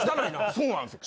そうなんですよ。